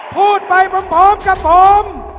พูดไปพร้อมกับผม